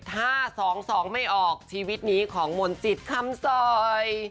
ถ้า๒๒ไม่ออกชีวิตนี้ของมนจิตคำซอย